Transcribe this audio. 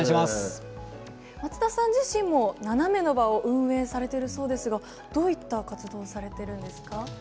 松田さん自身もナナメの場を運営されているそうですがどういった活動をされてるんですか？